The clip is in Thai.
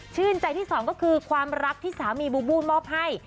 ใจที่สองก็คือความรักที่สามีบูบูมอบให้